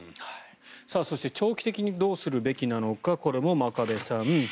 そして長期的にどうするべきなのかこれも真壁さん。